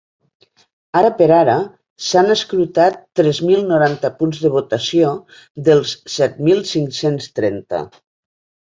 Ara per ara, s’han escrutat tres mil noranta punts de votació dels set mil cinc-cents trenta.